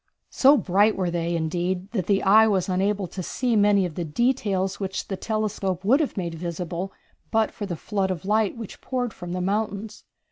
So bright were they, indeed, that the eye was unable to see many of the details which the telescope would have made visible but for the flood of light which poured from the mountains.